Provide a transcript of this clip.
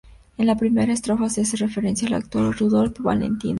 En la primera estrofa, se hace referencia al actor Rudolph Valentino.